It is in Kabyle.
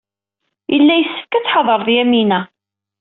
Yella yessefk ad tḥadreḍ Yamina.